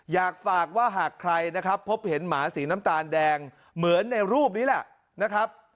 อยากฝากว่าหากใครนะครับพบเห็นหมาสีน้ำตาลแดงเหมือนในรูปนี้แหละนะครับ